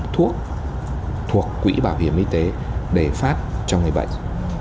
thuốc thuộc quỹ bảo hiểm y tế để phát cho người bệnh